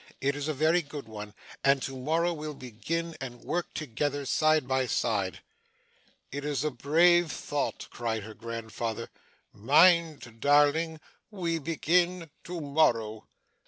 It is a very good one and to morrow we'll begin, and work together, side by side.' 'It is a brave thought!' cried her grandfather. 'Mind, darling we begin to morrow!